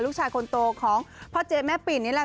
ลูกชายคนโตของพ่อเจ๊แม่ปิ่นนี่แหละ